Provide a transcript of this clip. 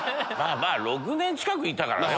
６年近くいたからね。